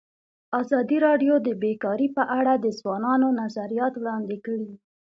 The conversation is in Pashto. ازادي راډیو د بیکاري په اړه د ځوانانو نظریات وړاندې کړي.